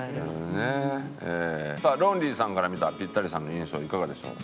さあロンリーさんから見たピッタリさんの印象いかがでしょう？